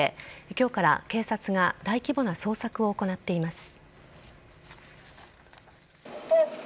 今日から警察が大規模な捜索を行っています。